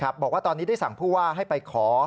บอกว่าตอนนี้ได้สั่งผู้ว่าให้ไปขอ